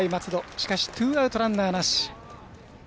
しかしツーアウト、ランナーなし。